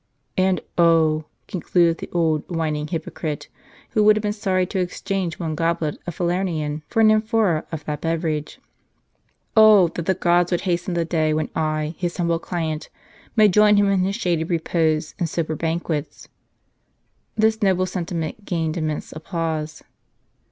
" And oh !" concluded the old whining hypocrite, who would have been sorry to exchange one goblet of Falernian for an amphora* of that beverage, "oh! that the gods would hasten the day when I, his humble client, may join him in his shady repose and sober banquets!" This noble sentiment gained immense applause.